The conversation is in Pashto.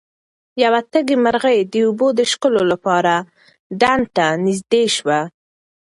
یوه تږې مرغۍ د اوبو د څښلو لپاره ډنډ ته نږدې شوه.